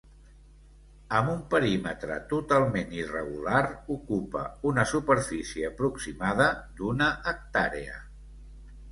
Amb un perímetre totalment irregular ocupa una superfície aproximada d'una hectàrea.